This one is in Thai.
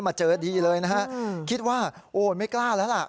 มาเจอดีเลยนะฮะคิดว่าโอ้ยไม่กล้าแล้วล่ะ